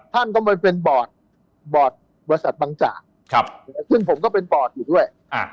ท่านก็มาเป็นบอร์ดบอร์ดบริษัทบางจากซึ่งผมก็เป็นบอร์ดอยู่ด้วย